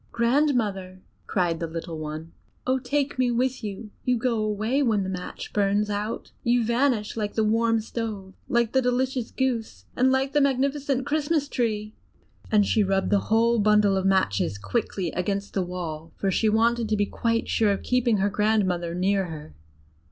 "Grandmother!" cried the little one; "oh, take me with you! You go away when the match burns out; you vanish like the warm stove, like the delicious roast goose, and like the magnificent Christmas tree!" And she rubbed the whole bundle of matches quickly against the wall, for she wanted to be quite sure of keeping her grandmother near her.